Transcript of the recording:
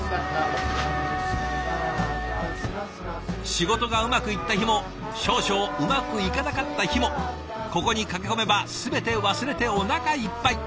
仕事がうまくいった日も少々うまくいかなかった日もここに駆け込めば全て忘れておなかいっぱい。